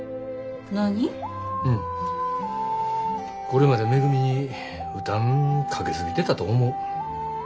これまでめぐみに負担かけ過ぎてたと思う。